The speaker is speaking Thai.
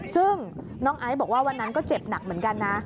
ซึ่งน้องไอซ์บอกว่าวันนั้นก็เจ็บหนักเหมือนกันนะ